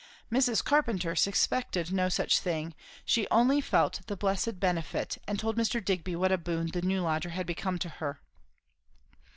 Mrs. Carpenter suspected no such thing; she only felt the blessed benefit, and told Mr. Digby what a boon the new lodger had become to her.